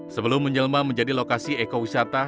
sebelum menjelma menjadi lokasi ekowisata